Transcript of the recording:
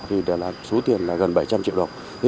thì số tiền là gần bảy trăm linh triệu đồng